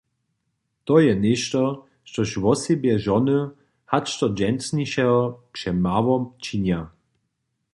To je něšto, štož wosebje žony hač do dźensnišeho přemało činja.